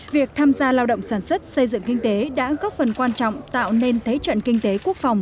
việc tham gia lao động sản xuất xây dựng kinh tế đã góp phần quan trọng tạo nên thế trận kinh tế quốc phòng